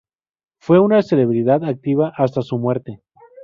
Fue una celebridad activa hasta su muerte.